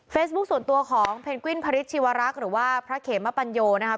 เฟซบุ๊กส่วนตัวของเพนกวิ้นพริษชีวรักษ์หรือว่าพระเขมปัญโยนะครับ